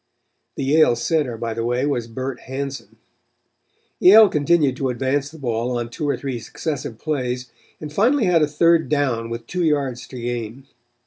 The Yale center, by the way, was Bert Hanson. Yale continued to advance the ball on two or three successive plays and finally had a third down with two yards to gain.